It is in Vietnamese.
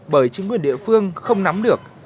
bởi chính quyền địa phương không nắm được